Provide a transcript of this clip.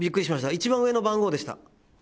一番上の番号でした。